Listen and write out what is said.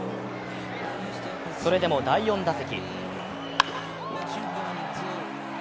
それでも第４打席。